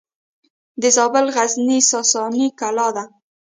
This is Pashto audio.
د زابل غزنیې ساساني کلا ده